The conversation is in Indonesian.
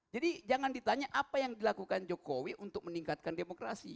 jadi jangan ditanya apa yang dilakukan jokowi untuk meningkatkan demokrasi